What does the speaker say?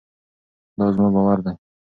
دا زما باور دی.